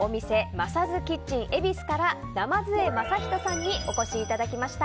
マサズキッチン恵比寿から鯰江真仁さんにお越しいただきました。